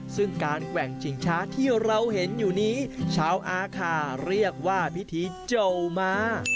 ซึ่งการแกว่งชิงช้าที่เราเห็นอยู่นี้ชาวอาคาเรียกว่าพิธีเจ้าม้า